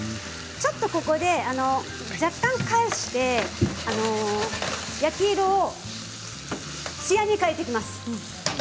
ちょっとここで若干返して焼き色をつやに変えていきます。